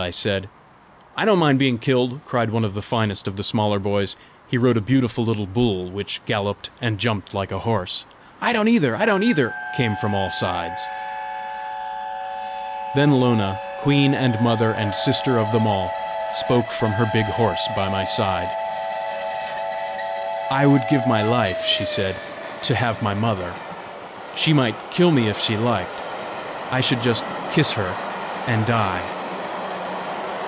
I said. "I don't mind being killed!" cried one of the finest of the smaller boys: he rode a beautiful little bull, which galloped and jumped like a horse. "I don't either! I don't either!" came from all sides. Then Lona, queen and mother and sister of them all, spoke from her big horse by my side: "I would give my life," she said, "to have my mother! She might kill me if she liked! I should just kiss her and die!"